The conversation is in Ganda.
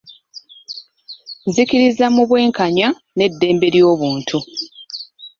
Nzikiririza mu bwenkanya n'eddembe ly'obuntu.